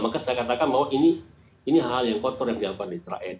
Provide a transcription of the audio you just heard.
maka saya katakan bahwa ini hal yang kotor yang dilakukan di israel